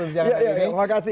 terima kasih pak arief